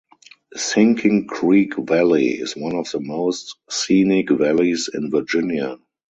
Sinking Creek Valley is one of the most scenic valleys in Virginia.